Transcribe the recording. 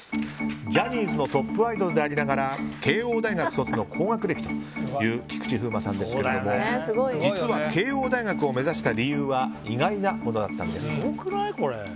ジャニーズのトップアイドルでありながら慶應大学卒の高学歴という菊池風磨さんですけれども実は、慶應大学を目指した理由は意外なものだったんです。